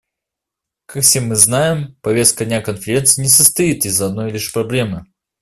Как все мы знаем, повестка дня Конференции не состоит из одной лишь проблемы.